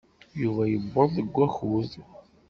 Yuba yuweḍ deg wakud.